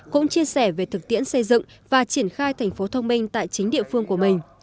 cũng chia sẻ về thực tiễn xây dựng và triển khai thành phố thông minh tại chính địa phương của mình